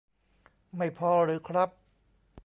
ไม่พอหรือครับ